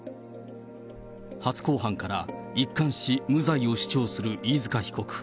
初公判から一貫し、無罪を主張する飯塚被告。